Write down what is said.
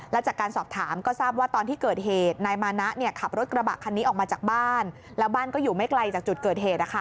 และจากการสอบถามก็ทราบว่าตอนที่เกิดเหตุนายมานะขับรถกระบะคันนี้ออกมาจากบ้านแล้วบ้านก็อยู่ไม่ไกลจากจุดเกิดเหตุ